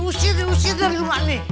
usir diusir dari rumah nih